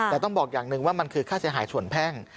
แต่ต้องบอกอย่างหนึ่งว่ามันคือค่าเสียหายส่วนแพ่ง